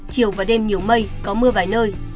chiều và đêm nhiều mây có mưa vài nơi